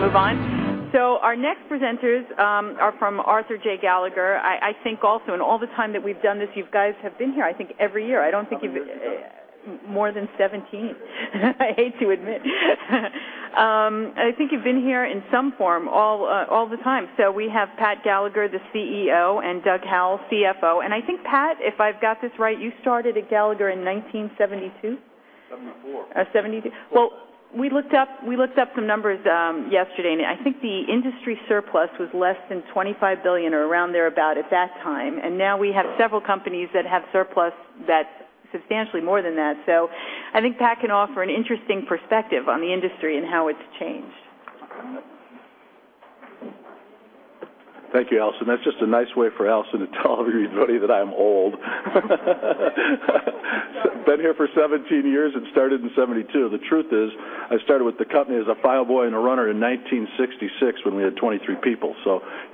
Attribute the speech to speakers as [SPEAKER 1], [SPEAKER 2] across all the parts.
[SPEAKER 1] We're going to move on. Our next presenters are from Arthur J. Gallagher. I think also, in all the time that we've done this, you guys have been here, I think every year. I don't think you've-
[SPEAKER 2] Probably more than 17.
[SPEAKER 1] More than 17. I hate to admit. I think you've been here in some form all the time. We have Pat Gallagher, the CEO, and Doug Howell, CFO. I think, Pat, if I've got this right, you started at Gallagher in 1972?
[SPEAKER 2] '74.
[SPEAKER 1] 1970. Well, we looked up some numbers yesterday, and I think the industry surplus was less than $25 billion or around thereabout at that time. Now we have several companies that have surplus that's substantially more than that. I think Pat can offer an interesting perspective on the industry and how it's changed.
[SPEAKER 2] Thank you, Allison. That's just a nice way for Allison to tell everybody that I'm old. Been here for 17 years and started in 1972. The truth is, I started with the company as a file boy and a runner in 1966 when we had 23 people.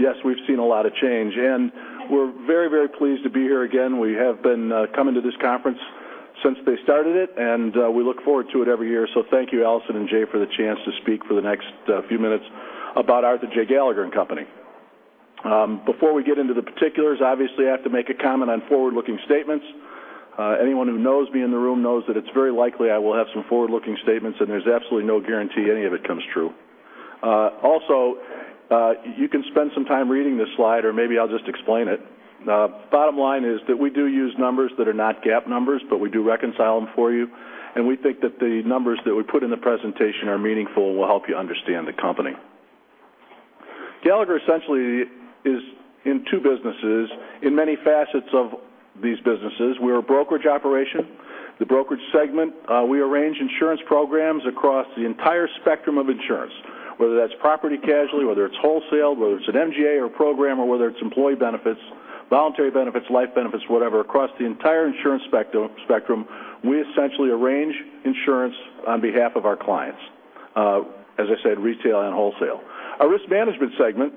[SPEAKER 2] Yes, we've seen a lot of change, and we're very pleased to be here again. We have been coming to this conference since they started it, and we look forward to it every year. Thank you, Allison and Jay, for the chance to speak for the next few minutes about Arthur J. Gallagher & Co. Before we get into the particulars, obviously, I have to make a comment on forward-looking statements. Anyone who knows me in the room knows that it's very likely I will have some forward-looking statements, and there's absolutely no guarantee any of it comes true. You can spend some time reading this slide, or maybe I'll just explain it. Bottom line is that we do use numbers that are not GAAP numbers, but we do reconcile them for you. We think that the numbers that we put in the presentation are meaningful and will help you understand the company. Gallagher essentially is in two businesses. In many facets of these businesses, we're a brokerage operation. The brokerage segment, we arrange insurance programs across the entire spectrum of insurance, whether that's property casualty, whether it's wholesale, whether it's an MGA or program, or whether it's employee benefits, voluntary benefits, life benefits, whatever. Across the entire insurance spectrum, we essentially arrange insurance on behalf of our clients. As I said, retail and wholesale. Our risk management segment,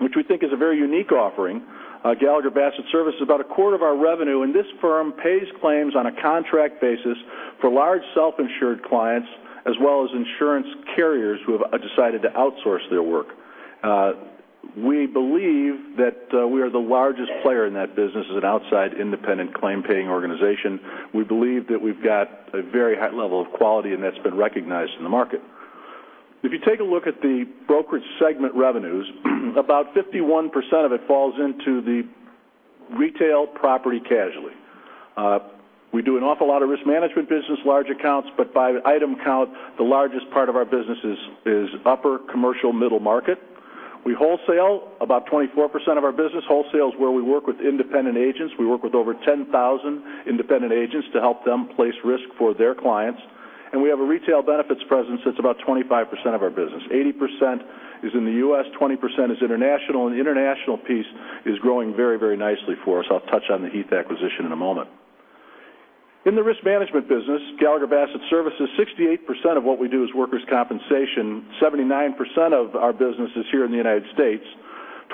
[SPEAKER 2] which we think is a very unique offering, Gallagher Bassett Services, is about a quarter of our revenue, and this firm pays claims on a contract basis for large self-insured clients, as well as insurance carriers who have decided to outsource their work. We believe that we are the largest player in that business as an outside, independent claim-paying organization. We believe that we've got a very high level of quality, and that's been recognized in the market. If you take a look at the brokerage segment revenues, about 51% of it falls into the retail property casualty. We do an awful lot of risk management business, large accounts, but by item count, the largest part of our business is upper commercial middle market. We wholesale about 24% of our business. Wholesale is where we work with independent agents. We work with over 10,000 independent agents to help them place risk for their clients. We have a retail benefits presence that's about 25% of our business. 80% is in the U.S., 20% is international, and the international piece is growing very nicely for us. I'll touch on the Heath acquisition in a moment. In the risk management business, Gallagher Bassett Services, 68% of what we do is workers' compensation, 79% of our business is here in the United States,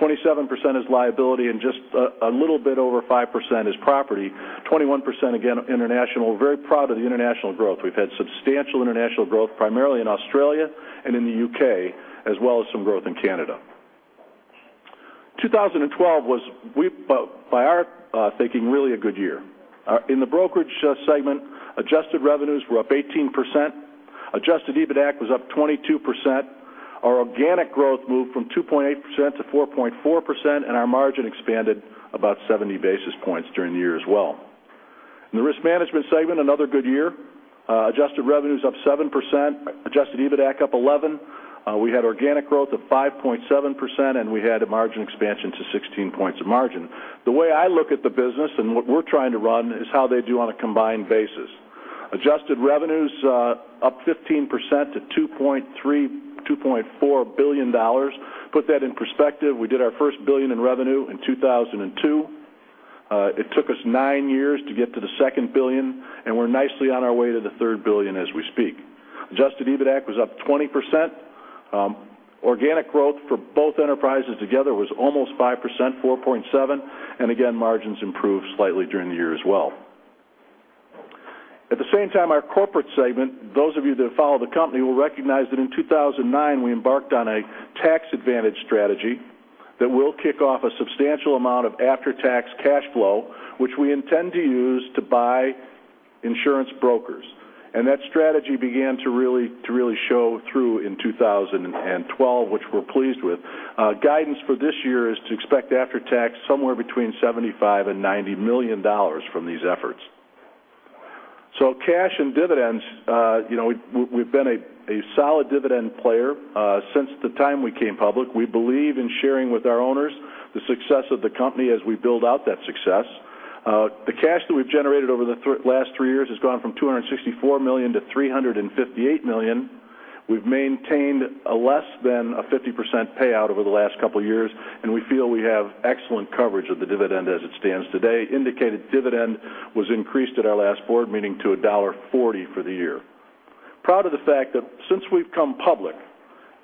[SPEAKER 2] 27% is liability, and just a little bit over 5% is property. 21%, again, international. Very proud of the international growth. We've had substantial international growth, primarily in Australia and in the U.K., as well as some growth in Canada. 2012 was, by our thinking, really a good year. In the brokerage segment, adjusted revenues were up 18%, adjusted EBITAC was up 22%. Our organic growth moved from 2.8% to 4.4%, and our margin expanded about 70 basis points during the year as well. In the risk management segment, another good year. Adjusted revenues up 7%, adjusted EBITAC up 11%. We had organic growth of 5.7%, and we had a margin expansion to 16 points of margin. The way I look at the business and what we're trying to run is how they do on a combined basis. Adjusted revenues up 15% to $2.4 billion. Put that in perspective, we did our first billion in revenue in 2002. It took us nine years to get to the second billion, and we're nicely on our way to the third billion as we speak. Adjusted EBITAC was up 20%. Organic growth for both enterprises together was almost 5%, 4.7%. Margins improved slightly during the year as well. At the same time, our corporate segment, those of you that follow the company will recognize that in 2009, we embarked on a tax advantage strategy that will kick off a substantial amount of after-tax cash flow, which we intend to use to buy insurance brokers. That strategy began to really show through in 2012, which we're pleased with. Guidance for this year is to expect after-tax somewhere between $75 and $90 million from these efforts. Cash and dividends, we've been a solid dividend player since the time we came public. We believe in sharing with our owners the success of the company as we build out that success. The cash that we've generated over the last three years has gone from $264 million to $358 million. We've maintained a less than a 50% payout over the last couple of years, and we feel we have excellent coverage of the dividend as it stands today. Indicated dividend was increased at our last board meeting to $1.40 for the year. Proud of the fact that since we've come public,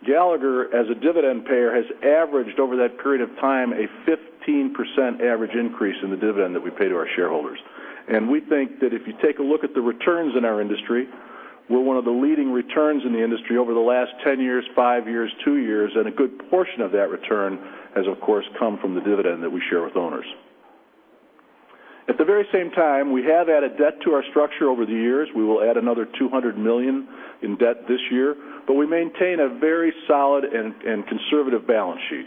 [SPEAKER 2] Gallagher, as a dividend payer, has averaged over that period of time a 15% average increase in the dividend that we pay to our shareholders. We think that if you take a look at the returns in our industry, we're one of the leading returns in the industry over the last 10 years, five years, two years, and a good portion of that return has, of course, come from the dividend that we share with owners. At the very same time, we have added debt to our structure over the years. We will add another $200 million in debt this year, we maintain a very solid and conservative balance sheet.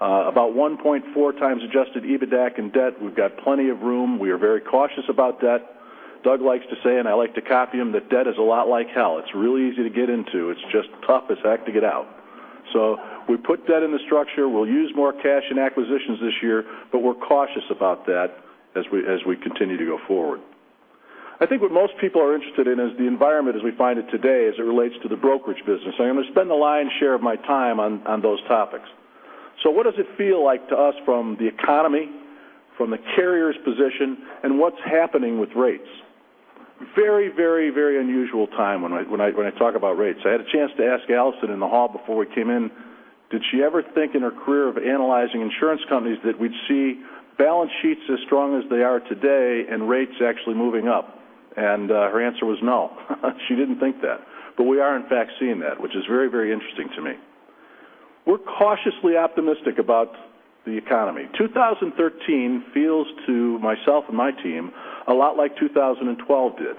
[SPEAKER 2] About 1.4x adjusted EBITDAC in debt. We've got plenty of room. We are very cautious about debt. Doug likes to say, and I like to copy him, that debt is a lot like hell. It's really easy to get into. It's just the toughest heck to get out. We put debt in the structure. We'll use more cash in acquisitions this year, we're cautious about debt as we continue to go forward. I think what most people are interested in is the environment as we find it today as it relates to the brokerage business. I'm going to spend the lion's share of my time on those topics. What does it feel like to us from the economy, from the carrier's position, and what's happening with rates? Very unusual time when I talk about rates. I had a chance to ask Allison in the hall before we came in, did she ever think in her career of analyzing insurance companies that we'd see balance sheets as strong as they are today and rates actually moving up? Her answer was no. She didn't think that. We are in fact seeing that, which is very interesting to me. We're cautiously optimistic about the economy. 2013 feels to myself and my team a lot like 2012 did.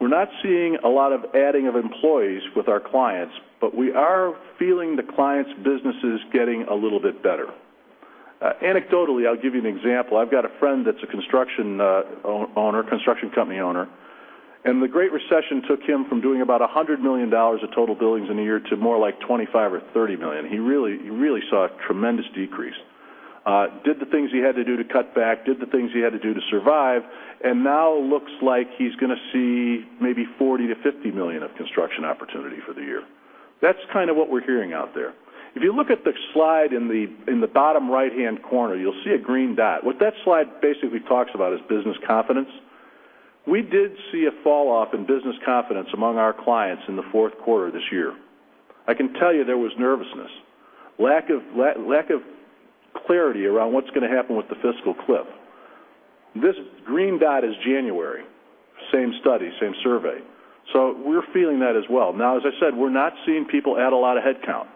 [SPEAKER 2] We're not seeing a lot of adding of employees with our clients, but we are feeling the clients' businesses getting a little bit better. Anecdotally, I'll give you an example. I've got a friend that's a construction company owner. The Great Recession took him from doing about $100 million of total billings in a year to more like $25 million or $30 million. He really saw a tremendous decrease. Did the things he had to do to cut back, did the things he had to do to survive, and now looks like he's going to see maybe $40 million to $50 million of construction opportunity for the year. That's kind of what we're hearing out there. If you look at the slide in the bottom right-hand corner, you'll see a green dot. What that slide basically talks about is business confidence. We did see a fall off in business confidence among our clients in the fourth quarter this year. I can tell you there was nervousness, lack of clarity around what's going to happen with the fiscal cliff. This green dot is January, same study, same survey. We're feeling that as well. As I said, we're not seeing people add a lot of headcount,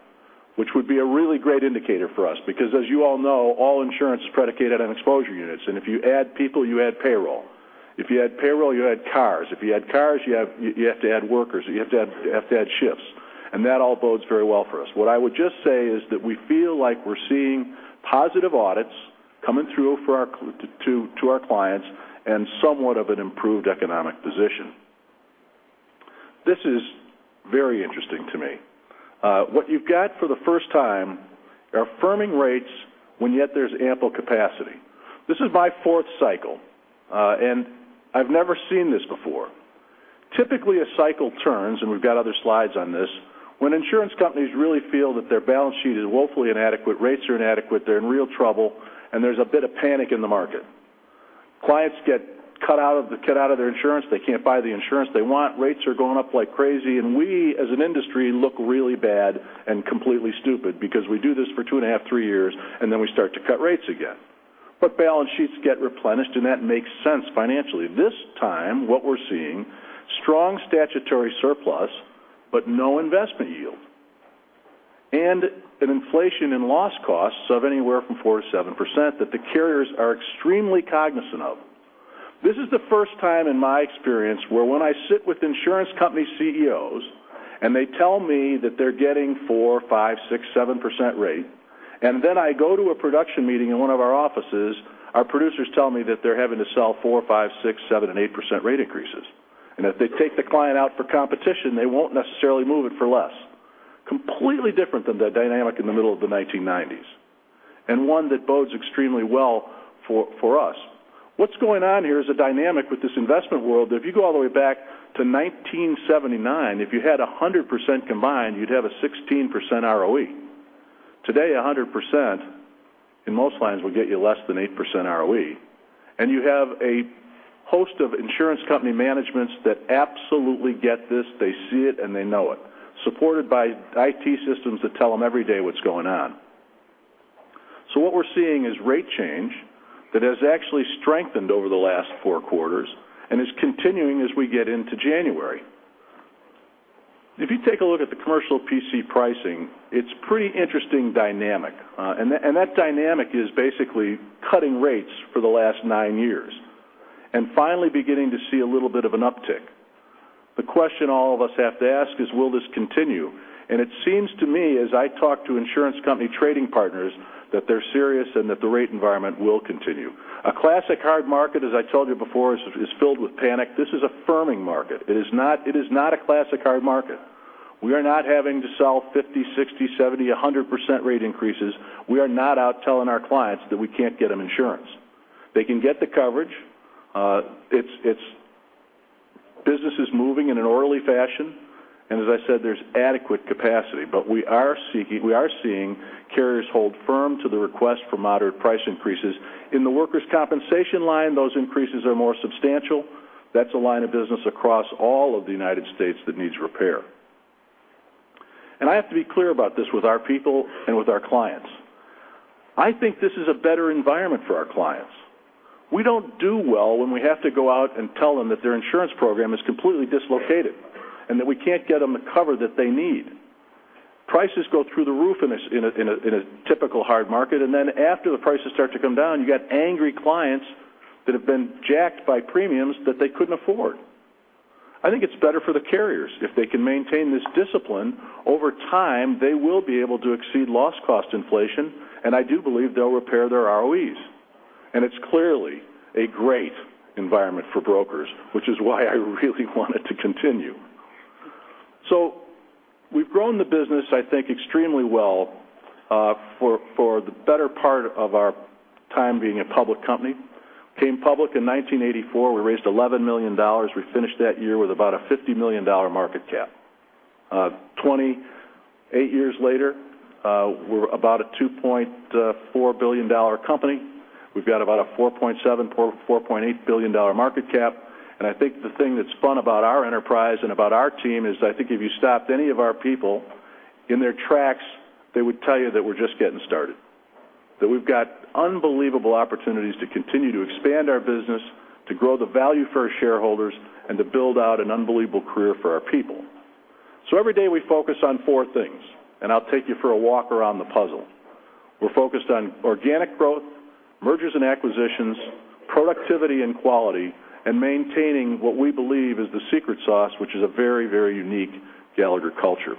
[SPEAKER 2] which would be a really great indicator for us because as you all know, all insurance is predicated on exposure units, and if you add people, you add payroll. If you add payroll, you add cars. If you add cars, you have to add workers, you have to add shifts. That all bodes very well for us. What I would just say is that we feel like we're seeing positive audits coming through to our clients and somewhat of an improved economic position. This is very interesting to me. What you've got for the first time are firming rates when yet there's ample capacity. This is my fourth cycle, and I've never seen this before. Typically, a cycle turns, and we've got other slides on this, when insurance companies really feel that their balance sheet is woefully inadequate, rates are inadequate, they're in real trouble, and there's a bit of panic in the market. Clients get cut out of their insurance. They can't buy the insurance they want. Rates are going up like crazy, and we, as an industry, look really bad and completely stupid because we do this for two and a half, three years, and then we start to cut rates again. Balance sheets get replenished, and that makes sense financially. This time, what we're seeing, strong statutory surplus but no investment yield. An inflation in loss costs of anywhere from 4%-7% that the carriers are extremely cognizant of. This is the first time in my experience where when I sit with insurance company CEOs and they tell me that they're getting 4%, 5%, 6%, 7% rate, then I go to a production meeting in one of our offices, our producers tell me that they're having to sell 4%, 5%, 6%, 7%, and 8% rate increases. If they take the client out for competition, they won't necessarily move it for less. Completely different than the dynamic in the middle of the 1990s, and one that bodes extremely well for us. What's going on here is a dynamic with this investment world that if you go all the way back to 1979, if you had 100% combined, you'd have a 16% ROE. Today, 100% in most lines would get you less than 8% ROE. You have a host of insurance company managements that absolutely get this. They see it, and they know it, supported by IT systems that tell them every day what's going on. What we're seeing is rate change that has actually strengthened over the last four quarters and is continuing as we get into January. If you take a look at the commercial P&C pricing, it's pretty interesting dynamic. That dynamic is basically cutting rates for the last nine years and finally beginning to see a little bit of an uptick. The question all of us have to ask is, will this continue? It seems to me, as I talk to insurance company trading partners, that they're serious and that the rate environment will continue. A classic hard market, as I told you before, is filled with panic. This is a firming market. It is not a classic hard market. We are not having to sell 50%, 60%, 70%, 100% rate increases. We are not out telling our clients that we can't get them insurance. They can get the coverage. Business is moving in an orderly fashion, and as I said, there's adequate capacity. We are seeing carriers hold firm to the request for moderate price increases. In the workers' compensation line, those increases are more substantial. That's a line of business across all of the United States that needs repair. I have to be clear about this with our people and with our clients. I think this is a better environment for our clients. We don't do well when we have to go out and tell them that their insurance program is completely dislocated, and that we can't get them the cover that they need. Prices go through the roof in a typical hard market, then after the prices start to come down, you got angry clients that have been jacked by premiums that they couldn't afford. I think it's better for the carriers if they can maintain this discipline. Over time, they will be able to exceed loss cost inflation, and I do believe they'll repair their ROEs. It's clearly a great environment for brokers, which is why I really want it to continue. We've grown the business, I think, extremely well, for the better part of our time being a public company. Became public in 1984, we raised $11 million. We finished that year with about a $50 million market cap. 28 years later, we're about a $2.4 billion company. We've got about a $4.7, $4.8 billion market cap. I think the thing that's fun about our enterprise and about our team is I think if you stopped any of our people in their tracks, they would tell you that we're just getting started, that we've got unbelievable opportunities to continue to expand our business, to grow the value for our shareholders, and to build out an unbelievable career for our people. Every day, we focus on four things, I'll take you for a walk around the puzzle. We're focused on organic growth, mergers and acquisitions, productivity and quality, and maintaining what we believe is the secret sauce, which is a very, very unique Gallagher culture.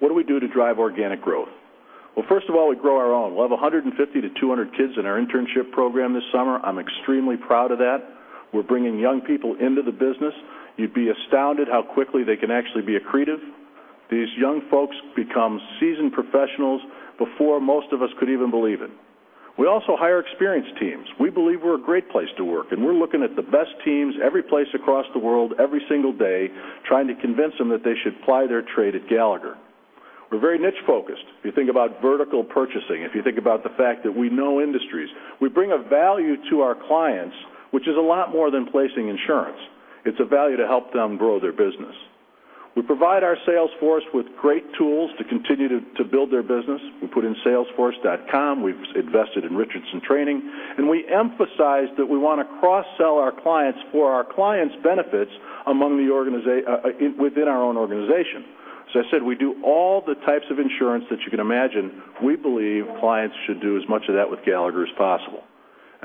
[SPEAKER 2] What do we do to drive organic growth? Well, first of all, we grow our own. We'll have 150 to 200 kids in our internship program this summer. I'm extremely proud of that. We're bringing young people into the business. You'd be astounded how quickly they can actually be accretive. These young folks become seasoned professionals before most of us could even believe it. We also hire experienced teams. We believe we're a great place to work, and we're looking at the best teams every place across the world, every single day, trying to convince them that they should ply their trade at Gallagher. We're very niche-focused. If you think about vertical purchasing, if you think about the fact that we know industries, we bring a value to our clients, which is a lot more than placing insurance. It's a value to help them grow their business. We provide our sales force with great tools to continue to build their business. We put in salesforce.com, we've invested in Richardson training, and we emphasize that we want to cross-sell our clients for our clients' benefits within our own organization. As I said, we do all the types of insurance that you can imagine. We believe clients should do as much of that with Gallagher as possible.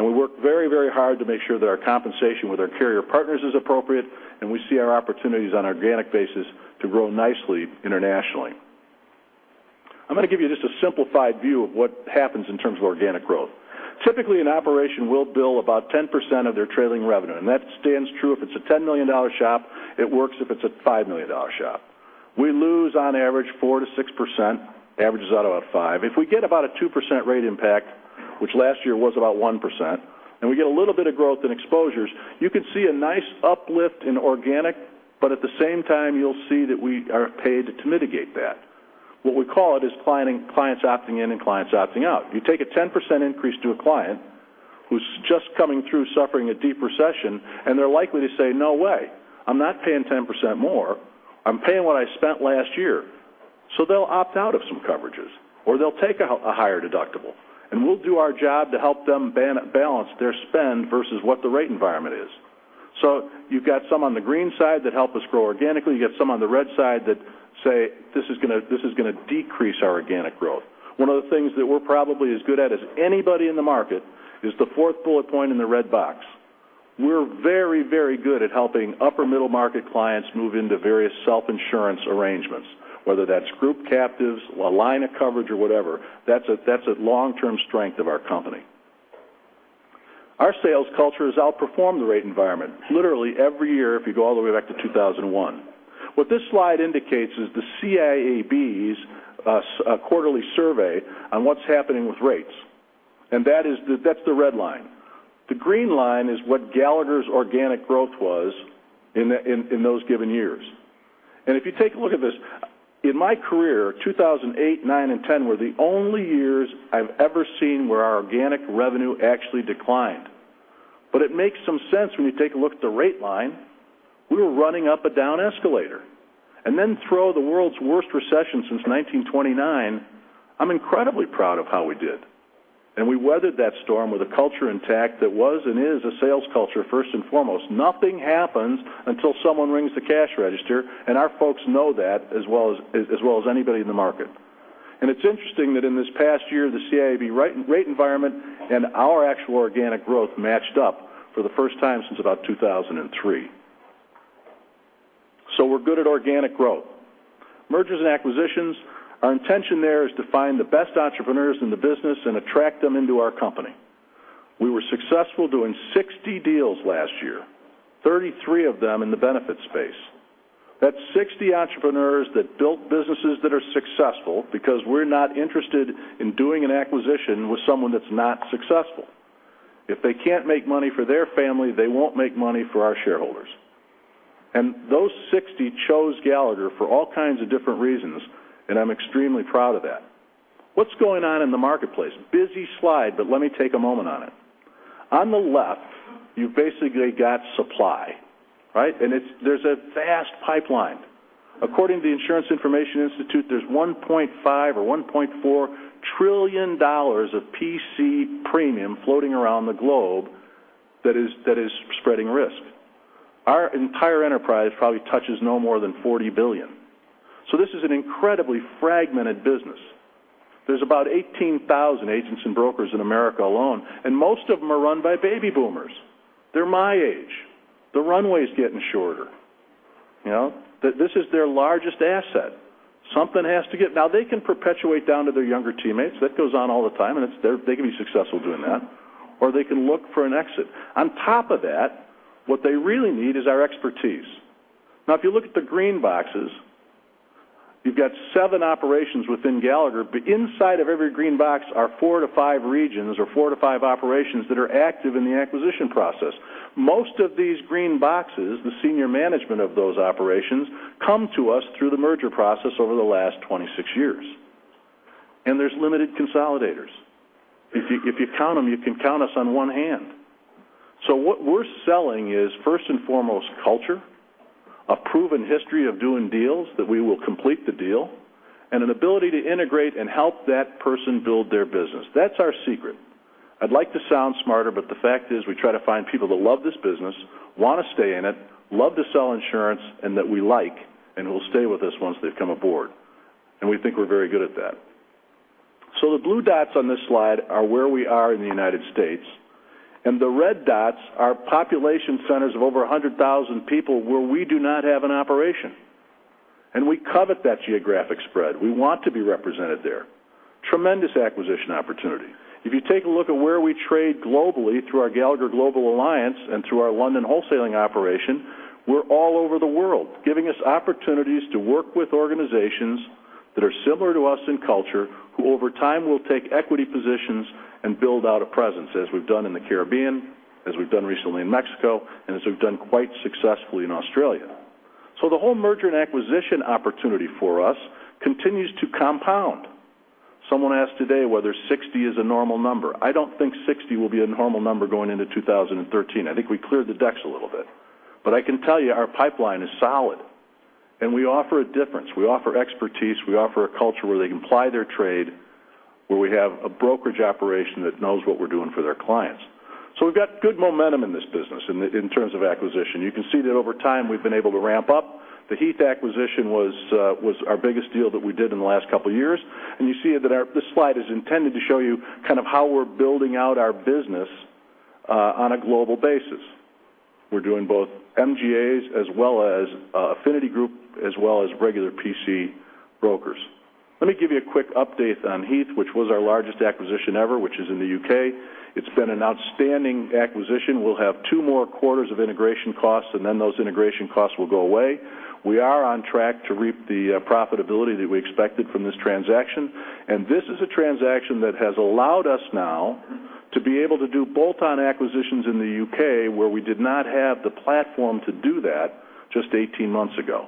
[SPEAKER 2] We work very, very hard to make sure that our compensation with our carrier partners is appropriate, we see our opportunities on an organic basis to grow nicely internationally. I'm going to give you just a simplified view of what happens in terms of organic growth. Typically, an operation will bill about 10% of their trailing revenue, that stands true if it's a $10 million shop, it works if it's a $5 million shop. We lose, on average, 4%-6%, averages out about 5%. If we get about a 2% rate impact, which last year was about 1%, we get a little bit of growth in exposures, you could see a nice uplift in organic, at the same time, you'll see that we are paid to mitigate that. What we call it is clients opting in and clients opting out. If you take a 10% increase to a client who's just coming through suffering a deep recession, they're likely to say, "No way. I'm not paying 10% more. I'm paying what I spent last year." They'll opt out of some coverages, or they'll take a higher deductible, we'll do our job to help them balance their spend versus what the rate environment is. You've got some on the green side that help us grow organically. You got some on the red side that say, "This is going to decrease our organic growth." One of the things that we're probably as good at as anybody in the market is the fourth bullet point in the red box. We're very, very good at helping upper middle market clients move into various self-insurance arrangements, whether that's group captives, a line of coverage or whatever. That's a long-term strength of our company. Our sales culture has outperformed the rate environment, literally every year if you go all the way back to 2001. What this slide indicates is the CIAB's quarterly survey on what's happening with rates. That's the red line. The green line is what Gallagher's organic growth was in those given years. If you take a look at this, in my career, 2008, 2009, and 2010 were the only years I've ever seen where our organic revenue actually declined. It makes some sense when you take a look at the rate line. We were running up a down escalator. Throw the world's worst recession since 1929, I'm incredibly proud of how we did. We weathered that storm with a culture intact that was and is a sales culture, first and foremost. Nothing happens until someone rings the cash register, and our folks know that as well as anybody in the market. It's interesting that in this past year, the CIAB rate environment and our actual organic growth matched up for the first time since about 2003. We're good at organic growth. Mergers and acquisitions, our intention there is to find the best entrepreneurs in the business and attract them into our company. We were successful doing 60 deals last year, 33 of them in the benefits space. That's 60 entrepreneurs that built businesses that are successful because we're not interested in doing an acquisition with someone that's not successful. If they can't make money for their family, they won't make money for our shareholders. Those 60 chose Gallagher for all kinds of different reasons, and I'm extremely proud of that. What's going on in the marketplace? Busy slide. Let me take a moment on it. On the left, you've basically got supply, right? There's a vast pipeline. According to the Insurance Information Institute, there's $1.5 or $1.4 trillion of P&C premium floating around the globe that is spreading risk. Our entire enterprise probably touches no more than $40 billion. This is an incredibly fragmented business. There's about 18,000 agents and brokers in the U.S. alone, and most of them are run by baby boomers. They're my age. The runway's getting shorter. This is their largest asset. Something has to give. They can perpetuate down to their younger teammates. That goes on all the time, and they can be successful doing that, or they can look for an exit. On top of that, what they really need is our expertise. If you look at the green boxes, you've got seven operations within Gallagher. Inside of every green box are four to five regions or four to five operations that are active in the acquisition process. Most of these green boxes, the senior management of those operations, come to us through the merger process over the last 26 years. There's limited consolidators. If you count them, you can count us on one hand. What we're selling is, first and foremost, culture, a proven history of doing deals, that we will complete the deal, and an ability to integrate and help that person build their business. That's our secret. I'd like to sound smarter, but the fact is, we try to find people that love this business, want to stay in it, love to sell insurance, and that we like and will stay with us once they've come aboard. We think we're very good at that. The blue dots on this slide are where we are in the U.S., and the red dots are population centers of over 100,000 people where we do not have an operation, and we covet that geographic spread. We want to be represented there. Tremendous acquisition opportunity. If you take a look at where we trade globally through our Gallagher Global Network and through our London wholesaling operation, we're all over the world, giving us opportunities to work with organizations that are similar to us in culture, who over time will take equity positions and build out a presence, as we've done in the Caribbean, as we've done recently in Mexico, and as we've done quite successfully in Australia. The whole merger and acquisition opportunity for us continues to compound. Someone asked today whether 60 is a normal number. I don't think 60 will be a normal number going into 2013. I think we cleared the decks a little bit. I can tell you our pipeline is solid, and we offer a difference. We offer expertise. We offer a culture where they can ply their trade, where we have a brokerage operation that knows what we're doing for their clients. We've got good momentum in this business in terms of acquisition. You can see that over time, we've been able to ramp up. The Heath acquisition was our biggest deal that we did in the last couple of years, and you see that this slide is intended to show you how we're building out our business on a global basis. We're doing both MGAs as well as affinity group as well as regular P&C brokers. Let me give you a quick update on Heath, which was our largest acquisition ever, which is in the U.K. It's been an outstanding acquisition. We'll have two more quarters of integration costs, and then those integration costs will go away. We are on track to reap the profitability that we expected from this transaction, and this is a transaction that has allowed us now to be able to do bolt-on acquisitions in the U.K. where we did not have the platform to do that just 18 months ago.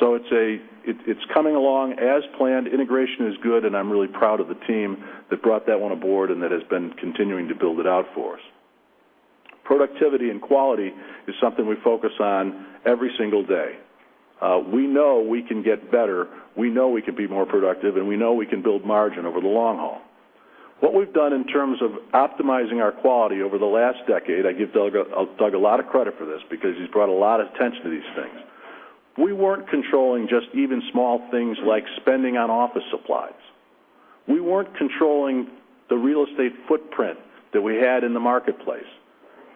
[SPEAKER 2] It's coming along as planned. Integration is good, and I'm really proud of the team that brought that one aboard and that has been continuing to build it out for us. Productivity and quality is something we focus on every single day. We know we can get better, we know we can be more productive, and we know we can build margin over the long haul. What we've done in terms of optimizing our quality over the last decade, I give Doug a lot of credit for this because he's brought a lot of attention to these things. We weren't controlling just even small things like spending on office supplies. We weren't controlling the real estate footprint that we had in the marketplace.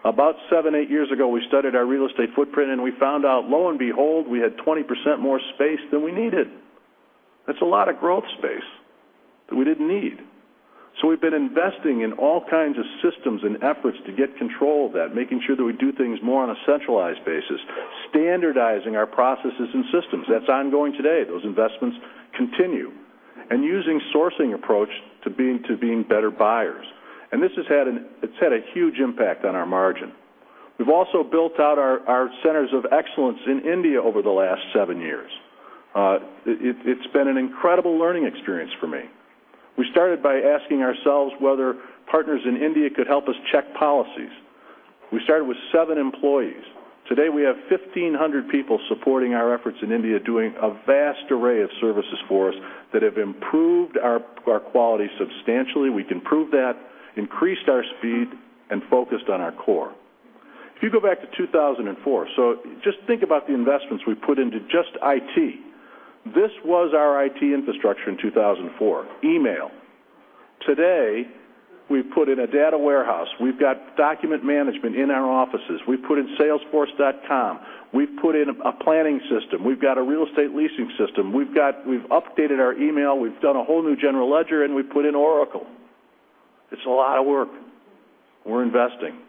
[SPEAKER 2] About seven, eight years ago, we studied our real estate footprint, and we found out, lo and behold, we had 20% more space than we needed. That's a lot of growth space that we didn't need. We've been investing in all kinds of systems and efforts to get control of that, making sure that we do things more on a centralized basis, standardizing our processes and systems. That's ongoing today. Those investments continue. Using sourcing approach to being better buyers. It's had a huge impact on our margin. We've also built out our centers of excellence in India over the last seven years. It's been an incredible learning experience for me. We started by asking ourselves whether partners in India could help us check policies. We started with seven employees. Today, we have 1,500 people supporting our efforts in India, doing a vast array of services for us that have improved our quality substantially. We can prove that, increased our speed, and focused on our core. If you go back to 2004, just think about the investments we put into just IT. This was our IT infrastructure in 2004, email. Today, we put in a data warehouse. We've got document management in our offices. We've put in salesforce.com. We've put in a planning system. We've got a real estate leasing system. We've updated our email, we've done a whole new general ledger, and we've put in Oracle. It's a lot of work. We're investing.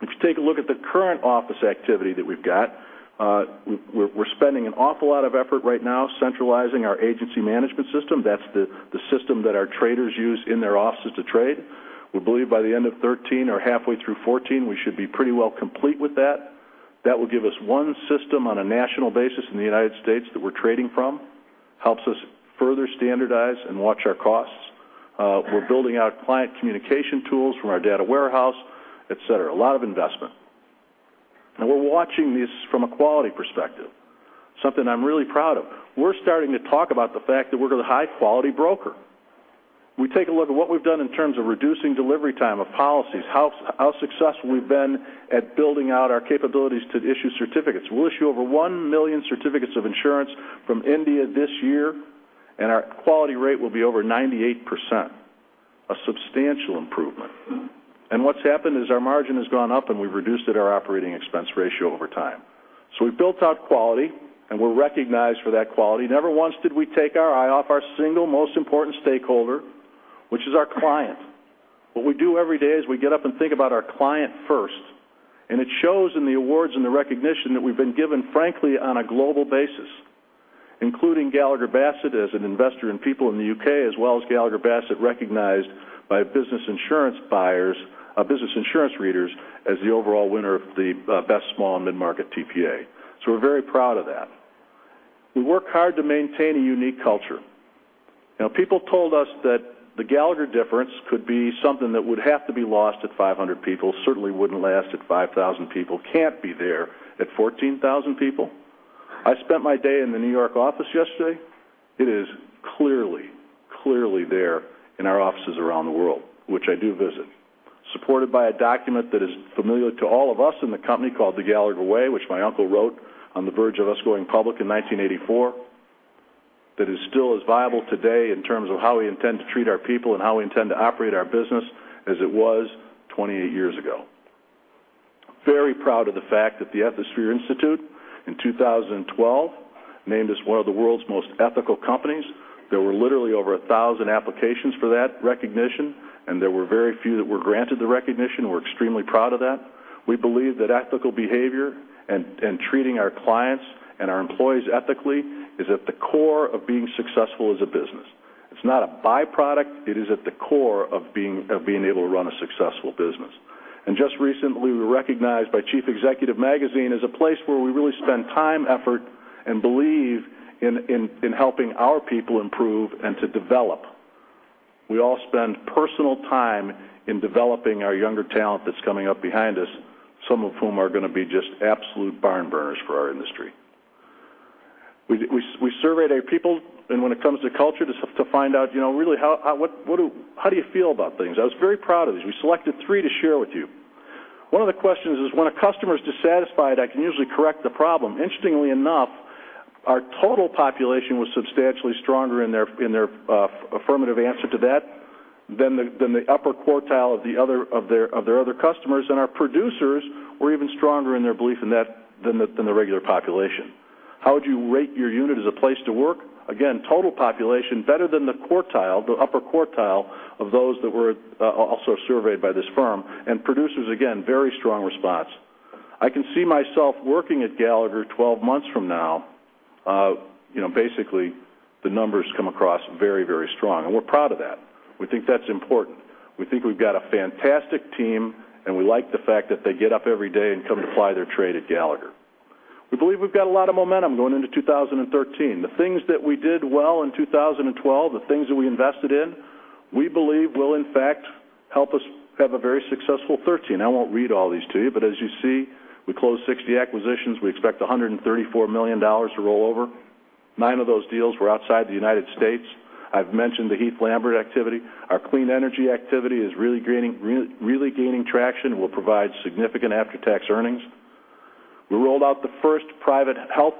[SPEAKER 2] If you take a look at the current office activity that we've got, we're spending an awful lot of effort right now centralizing our agency management system. That's the system that our traders use in their offices to trade. We believe by the end of 2013 or halfway through 2014, we should be pretty well complete with that. That will give us one system on a national basis in the United States that we're trading from. Helps us further standardize and watch our costs. We're building out client communication tools from our data warehouse, et cetera. A lot of investment. We're watching this from a quality perspective, something I'm really proud of. We're starting to talk about the fact that we're going to high quality broker. We take a look at what we've done in terms of reducing delivery time of policies, how successful we've been at building out our capabilities to issue certificates. We'll issue over one million certificates of insurance from India this year, and our quality rate will be over 98%, a substantial improvement. What's happened is our margin has gone up and we've reduced at our operating expense ratio over time. We've built out quality and we're recognized for that quality. Never once did we take our eye off our single most important stakeholder, which is our client. What we do every day is we get up and think about our client first, and it shows in the awards and the recognition that we've been given, frankly, on a global basis, including Gallagher Bassett as an investor in people in the U.K., as well as Gallagher Bassett recognized by business insurance buyers, business insurance readers as the overall winner of the best small and mid-market TPA. We're very proud of that. We work hard to maintain a unique culture. People told us that the Gallagher difference could be something that would have to be lost at 500 people, certainly wouldn't last at 5,000 people, can't be there at 14,000 people. I spent my day in the New York office yesterday. It is clearly there in our offices around the world, which I do visit. Supported by a document that is familiar to all of us in the company called "The Gallagher Way," which my uncle wrote on the verge of us going public in 1984, that is still as viable today in terms of how we intend to treat our people and how we intend to operate our business as it was 28 years ago. Very proud of the fact that the Ethisphere Institute in 2012 named us one of the world's most ethical companies. There were literally over 1,000 applications for that recognition. There were very few that were granted the recognition, and we're extremely proud of that. We believe that ethical behavior and treating our clients and our employees ethically is at the core of being successful as a business. It's not a byproduct. It is at the core of being able to run a successful business. Just recently, we were recognized by Chief Executive Magazine as a place where we really spend time, effort, and believe in helping our people improve and to develop. We all spend personal time in developing our younger talent that's coming up behind us, some of whom are going to be just absolute barn burners for our industry. We surveyed our people and when it comes to culture, to find out really, how do you feel about things? I was very proud of these. We selected three to share with you. One of the questions is, when a customer is dissatisfied, I can usually correct the problem. Interestingly enough, our total population was substantially stronger in their affirmative answer to that than the upper quartile of their other customers. Our producers were even stronger in their belief in that than the regular population. How would you rate your unit as a place to work? Again, total population better than the quartile, the upper quartile of those that were also surveyed by this firm. Producers, again, very strong response. I can see myself working at Gallagher 12 months from now. Basically, the numbers come across very, very strong. We're proud of that. We think that's important. We think we've got a fantastic team. We like the fact that they get up every day and come to ply their trade at Gallagher. We believe we've got a lot of momentum going into 2013. The things that we did well in 2012, the things that we invested in, we believe will in fact help us have a very successful 2013. I won't read all these to you. As you see, we closed 60 acquisitions. We expect $134 million to roll over. Nine of those deals were outside the U.S. I've mentioned the Heath Lambert activity. Our clean energy activity is really gaining traction and will provide significant after-tax earnings. We rolled out the first private health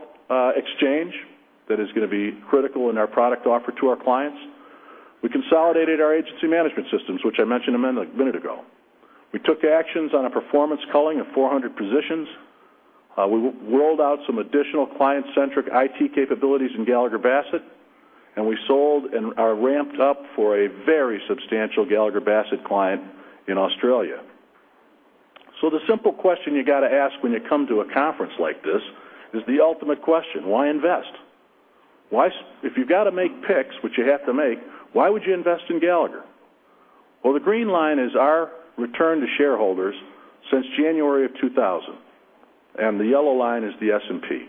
[SPEAKER 2] exchange that is going to be critical in our product offer to our clients. We consolidated our agency management systems, which I mentioned a minute ago. We took actions on a performance culling of 400 positions. We rolled out some additional client centric IT capabilities in Gallagher Bassett, and we sold and are ramped up for a very substantial Gallagher Bassett client in Australia. The simple question you got to ask when you come to a conference like this is the ultimate question, why invest? If you've got to make picks, which you have to make, why would you invest in Gallagher? The green line is our return to shareholders since January of 2000, and the yellow line is the S&P.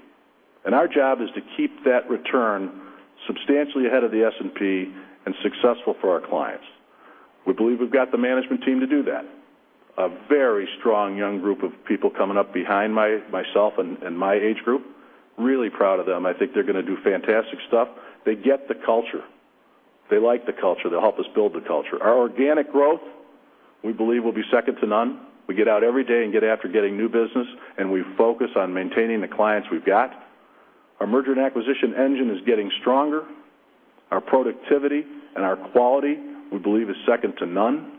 [SPEAKER 2] Our job is to keep that return substantially ahead of the S&P and successful for our clients. We believe we've got the management team to do that. A very strong young group of people coming up behind myself and my age group, really proud of them. I think they're going to do fantastic stuff. They get the culture. They like the culture. They'll help us build the culture. Our organic growth, we believe will be second to none. We get out every day and get after getting new business, and we focus on maintaining the clients we've got. Our merger and acquisition engine is getting stronger. Our productivity and our quality, we believe is second to none.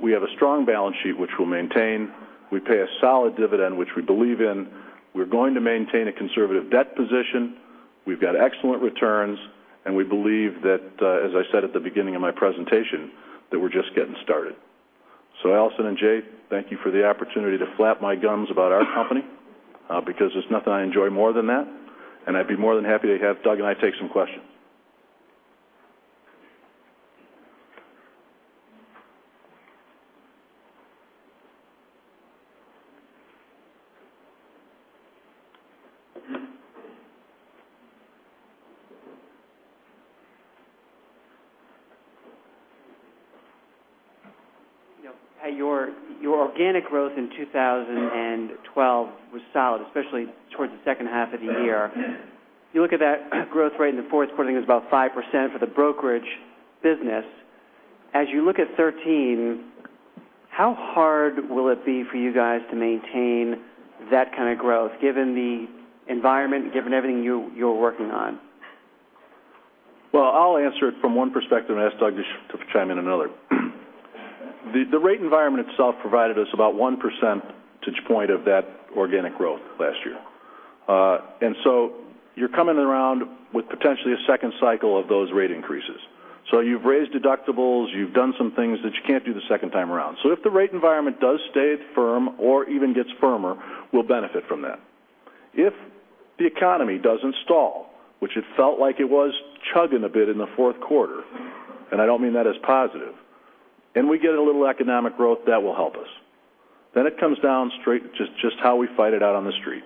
[SPEAKER 2] We have a strong balance sheet which we'll maintain. We pay a solid dividend, which we believe in. We're going to maintain a conservative debt position. We've got excellent returns, and we believe that, as I said at the beginning of my presentation, that we're just getting started. Allison and Jay, thank you for the opportunity to flap my gums about our company because there's nothing I enjoy more than that, and I'd be more than happy to have Doug and I take some questions.
[SPEAKER 3] Your organic growth in 2012 was solid, especially towards the second half of the year. You look at that growth rate in the fourth quarter, I think it was about 5% for the brokerage business. As you look at 2013, how hard will it be for you guys to maintain that kind of growth given the environment, given everything you're working on?
[SPEAKER 2] I'll answer it from one perspective and ask Doug to chime in another. The rate environment itself provided us about one percentage point of that organic growth last year. You're coming around with potentially a second cycle of those rate increases. You've raised deductibles, you've done some things that you can't do the second time around. If the rate environment does stay firm or even gets firmer, we'll benefit from that. If the economy doesn't stall, which it felt like it was chugging a bit in the fourth quarter, and I don't mean that as positive, and we get a little economic growth, that will help us. It comes down straight to just how we fight it out on the street.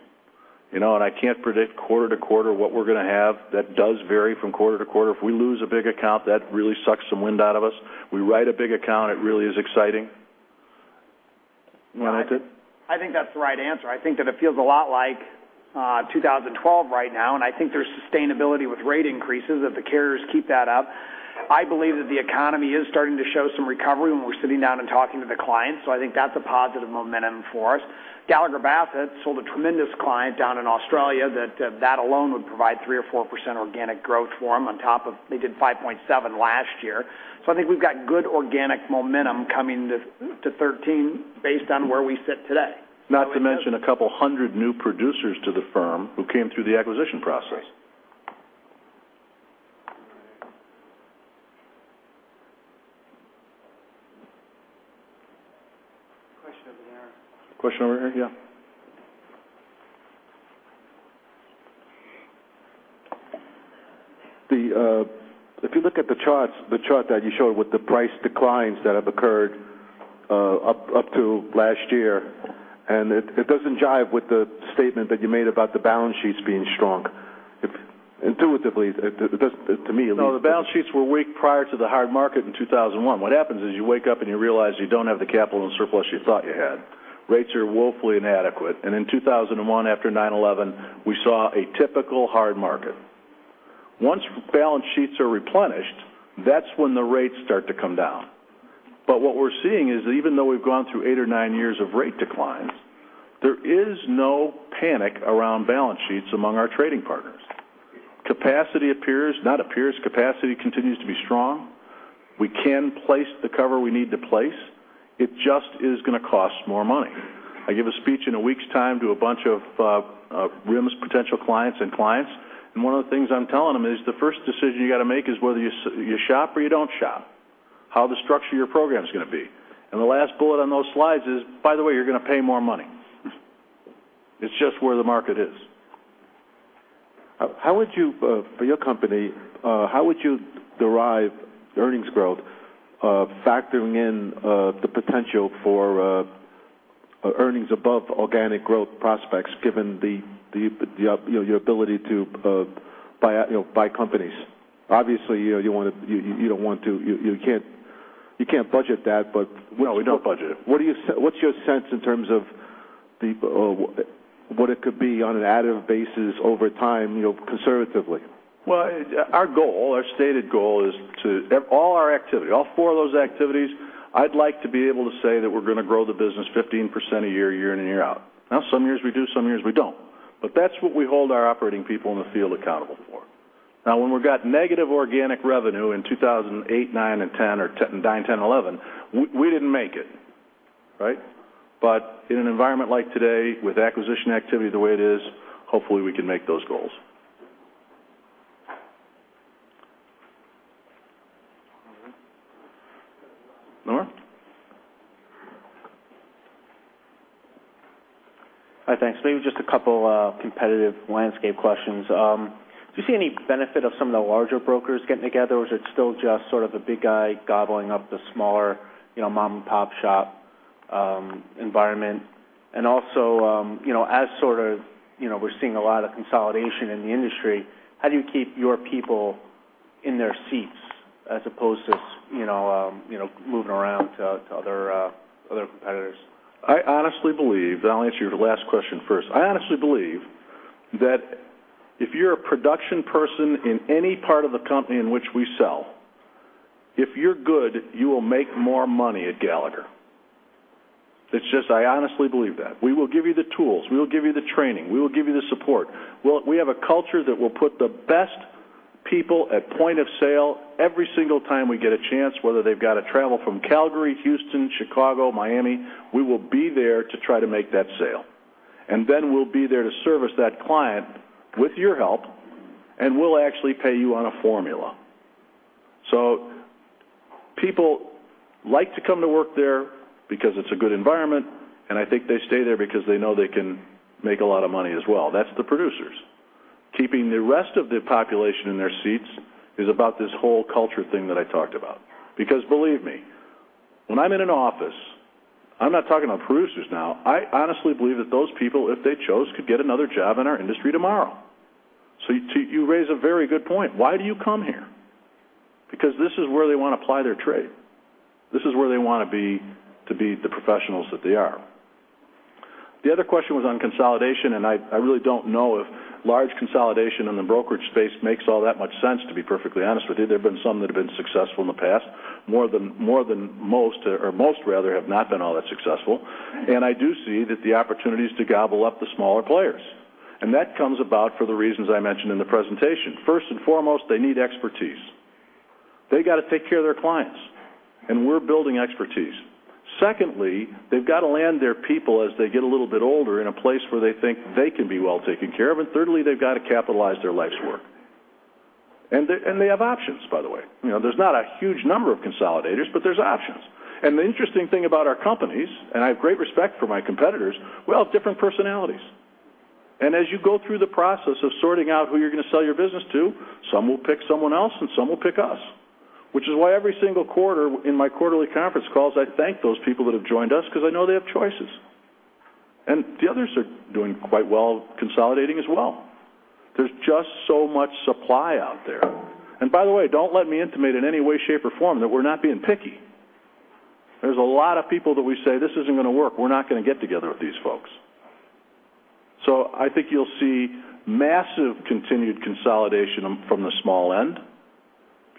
[SPEAKER 2] I can't predict quarter to quarter what we're going to have. That does vary from quarter to quarter. If we lose a big account, that really sucks some wind out of us. We write a big account, it really is exciting. You want to add to it?
[SPEAKER 4] I think that's the right answer. I think that it feels a lot like 2012 right now, and I think there's sustainability with rate increases if the carriers keep that up. I believe that the economy is starting to show some recovery when we're sitting down and talking to the clients, I think that's a positive momentum for us. Gallagher Bassett sold a tremendous client down in Australia that that alone would provide 3% or 4% organic growth for them on top of, they did 5.7 last year. I think we've got good organic momentum coming to 2013 based on where we sit today.
[SPEAKER 2] Not to mention a couple hundred new producers to the firm who came through the acquisition process.
[SPEAKER 3] Question over there.
[SPEAKER 2] Question over here? Yeah.
[SPEAKER 5] If you look at the chart that you showed with the price declines that have occurred up to last year, and it doesn't jive with the statement that you made about the balance sheets being strong.
[SPEAKER 2] No, the balance sheets were weak prior to the hard market in 2001. What happens is you wake up and you realize you don't have the capital and surplus you thought you had. Rates are woefully inadequate, and in 2001, after 9/11, we saw a typical hard market. Once balance sheets are replenished, that's when the rates start to come down. What we're seeing is, even though we've gone through eight or nine years of rate declines, there is no panic around balance sheets among our trading partners. Capacity continues to be strong. We can place the cover we need to place. It just is going to cost more money. I give a speech in a week's time to a bunch of RIMS potential clients and clients, one of the things I'm telling them is the first decision you've got to make is whether you shop or you don't shop, how the structure of your program's going to be. The last bullet on those slides is, by the way, you're going to pay more money. It's just where the market is.
[SPEAKER 5] For your company, how would you derive earnings growth factoring in the potential for earnings above organic growth prospects, given your ability to buy companies? Obviously, you can't budget that.
[SPEAKER 2] No, we don't budget it.
[SPEAKER 5] What's your sense in terms of what it could be on an additive basis over time, conservatively?
[SPEAKER 2] Well, our goal, our stated goal is to, all our activity, all four of those activities, I'd like to be able to say that we're going to grow the business 15% a year in, year out. Some years we do, some years we don't. That's what we hold our operating people in the field accountable for. When we've got negative organic revenue in 2008, 2009 and 2010 or 2010, 2009, 2010, 2011, we didn't make it. Right? In an environment like today, with acquisition activity the way it is, hopefully we can make those goals. Norm?
[SPEAKER 3] Hi, thanks. Maybe just a couple competitive landscape questions. Do you see any benefit of some of the larger brokers getting together, or is it still just sort of the big guy gobbling up the smaller mom-and-pop shop environment? Also, as sort of we're seeing a lot of consolidation in the industry, how do you keep your people in their seats as opposed to moving around to other competitors?
[SPEAKER 2] I honestly believe, I'll answer your last question first. I honestly believe that if you're a production person in any part of the company in which we sell, if you're good, you will make more money at Gallagher. It's just, I honestly believe that. We will give you the tools, we will give you the training, we will give you the support. We have a culture that will put the best people at point of sale every single time we get a chance, whether they've got to travel from Calgary, Houston, Chicago, Miami, we will be there to try to make that sale. Then we'll be there to service that client with your help, and we'll actually pay you on a formula. People like to come to work there because it's a good environment, I think they stay there because they know they can make a lot of money as well. That's the producers. Keeping the rest of the population in their seats is about this whole culture thing that I talked about. Believe me, when I'm in an office, I'm not talking about producers now, I honestly believe that those people, if they chose, could get another job in our industry tomorrow. You raise a very good point. Why do you come here? This is where they want to apply their trade. This is where they want to be, to be the professionals that they are. The other question was on consolidation, I really don't know if large consolidation in the brokerage space makes all that much sense, to be perfectly honest with you. There have been some that have been successful in the past. Most rather have not been all that successful. I do see that the opportunities to gobble up the smaller players. That comes about for the reasons I mentioned in the presentation. First and foremost, they need expertise. They got to take care of their clients, and we're building expertise. Secondly, they've got to land their people as they get a little bit older in a place where they think they can be well taken care of. Thirdly, they've got to capitalize their life's work. They have options, by the way. There's not a huge number of consolidators, but there's options. The interesting thing about our companies, and I have great respect for my competitors, we all have different personalities. As you go through the process of sorting out who you're going to sell your business to, some will pick someone else and some will pick us, which is why every single quarter in my quarterly conference calls, I thank those people that have joined us because I know they have choices. The others are doing quite well consolidating as well. There's just so much supply out there. By the way, don't let me intimate in any way, shape, or form that we're not being picky. There's a lot of people that we say, "This isn't going to work. We're not going to get together with these folks." I think you'll see massive continued consolidation from the small end,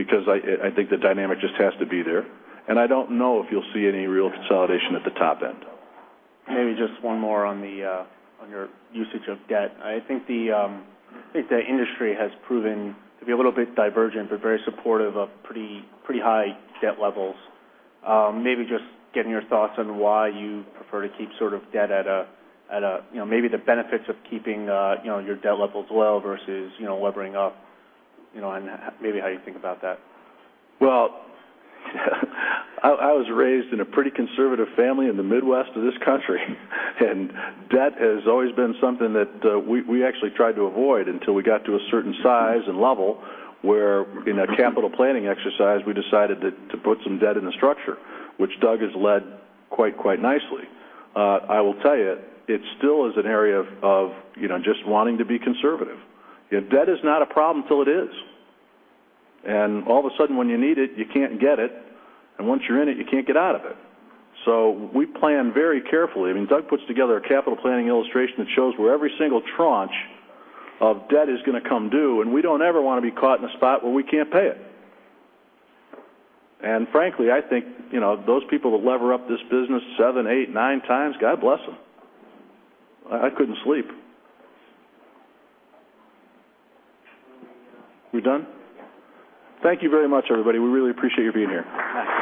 [SPEAKER 2] because I think the dynamic just has to be there, and I don't know if you'll see any real consolidation at the top end.
[SPEAKER 3] Maybe just one more on your usage of debt. I think the industry has proven to be a little bit divergent, but very supportive of pretty high debt levels. Maybe just getting your thoughts on why you prefer to keep sort of debt at a. The benefits of keeping your debt levels low versus levering up, and how you think about that.
[SPEAKER 2] Well, I was raised in a pretty conservative family in the Midwest of this country, debt has always been something that we actually tried to avoid until we got to a certain size and level where in a capital planning exercise, we decided to put some debt in the structure, which Doug has led quite nicely. I will tell you, it still is an area of just wanting to be conservative. Debt is not a problem till it is. All of a sudden, when you need it, you can't get it. Once you're in it, you can't get out of it. We plan very carefully. I mean, Doug puts together a capital planning illustration that shows where every single tranche of debt is going to come due, and we don't ever want to be caught in a spot where we can't pay it. Frankly, I think, those people that lever up this business seven, eight, nine times, God bless them. I couldn't sleep. We done?
[SPEAKER 3] Yeah.
[SPEAKER 2] Thank you very much, everybody. We really appreciate you being here.
[SPEAKER 3] Thank you